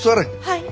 はい。